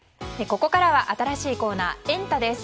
ここからは新しいコーナーエンタ！です。